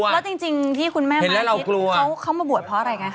แล้วจริงที่คุณแม่ม้าคิดเขามาบวชเพราะอะไรไงค